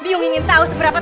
ini akan bikin kamu keberadaan